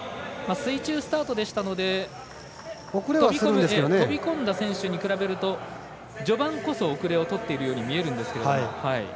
水中スタートでしたので飛び込んだ選手に比べると序盤こそ後れをとっているように見えるんですけれども。